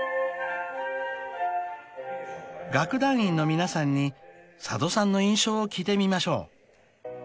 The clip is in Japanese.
［楽団員の皆さんに佐渡さんの印象を聞いてみましょう］